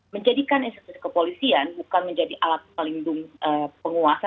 menjadikan institusi kepolisian bukan menjadi alat pelindung penguasa